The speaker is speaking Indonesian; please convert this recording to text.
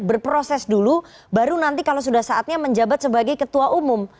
berproses dulu baru nanti kalau sudah saatnya menjabat sebagai ketua umum